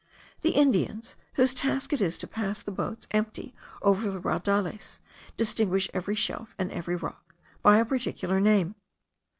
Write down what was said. The Indians, whose task it is to pass the boats empty over the raudales, distinguish every shelf, and every rock, by a particular name.